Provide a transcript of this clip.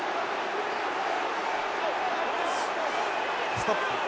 ストップ。